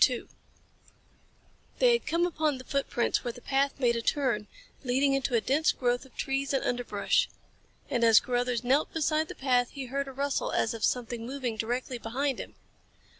They had come upon the footprints where the path made a turn, leading into a dense growth of trees and underbrush. And as Carruthers knelt beside the path he heard a rustle as of something moving directly behind him.